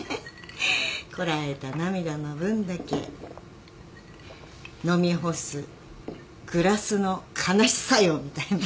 「こらえた涙の分だけ飲み干すグラスの悲しさよ」みたいな。